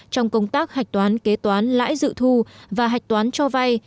trong công tác hạch toán kế toán lãi dự thu và hạch toán cho vay